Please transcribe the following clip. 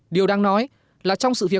điều đang nói là trong sự phát triển